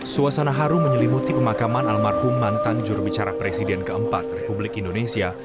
suasana harum menyelimuti pemakaman almarhum mantan jurubicara presiden keempat republik indonesia